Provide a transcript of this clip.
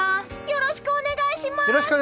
よろしくお願いします！